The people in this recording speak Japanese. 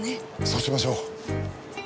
そうしましょう。